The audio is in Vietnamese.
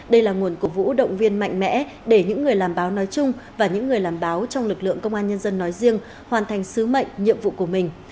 đây là nguồn cổ vũ động viên mạnh mẽ để những người làm báo nói chung và những người làm báo trong lực lượng công an nhân dân nói riêng hoàn thành sứ mệnh nhiệm vụ của mình